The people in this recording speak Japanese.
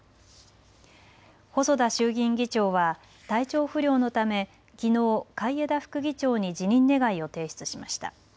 細田衆議院議長は体調不良のためきのう海江田副議長に辞任願を提出しました。